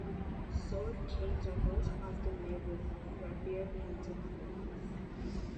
Sword canes are most often made with rapier-pointed blades.